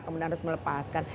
kemudian harus melepaskan